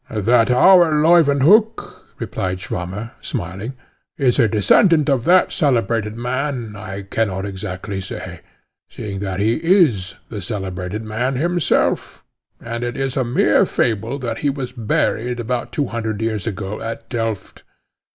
"That our Leuwenhock," replied Swammer, smiling, "is a descendant of that celebrated man, I cannot exactly say, seeing that he is the celebrated man himself; and it is a mere fable that he was buried about two hundred years ago at Delft.